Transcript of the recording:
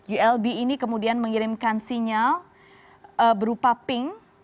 ulb ini kemudian mengirimkan sinyal berupa pink